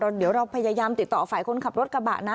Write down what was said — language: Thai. เดี๋ยวเราพยายามติดต่อฝ่ายคนขับรถกระบะนะ